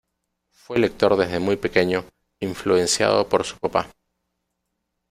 Fue lector desde muy pequeño, influenciado por su papá.